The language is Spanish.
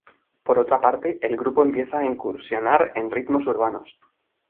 Por otra parte, el grupo empieza a incursionar en ritmos urbanos.